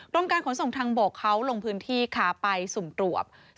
การขนส่งทางบกเขาลงพื้นที่ค่ะไปสุ่มตรวจ